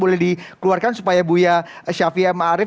boleh dikeluarkan supaya bu yaya syafi'a ma'arif